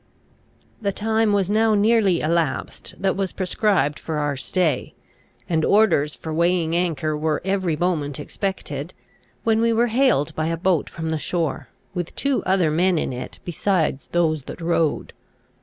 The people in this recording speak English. The time was now nearly elapsed that was prescribed for our stay, and orders for weighing anchor were every moment expected, when we were hailed by a boat from the shore, with two other men in it besides those that rowed.